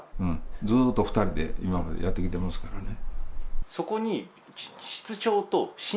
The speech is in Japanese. ずっと２人で今までやってきてますからね。